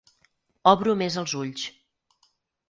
Obro més els ulls.